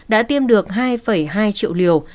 đã tiêm được hai hai triệu liều